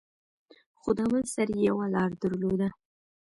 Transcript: خو دا بل سر يې يوه لاره درلوده.